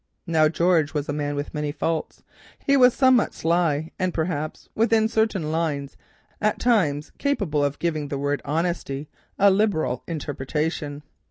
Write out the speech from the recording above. Now, George was a man with faults. He was somewhat sly, and, perhaps within certain lines, at times capable of giving the word honesty a liberal interpretation.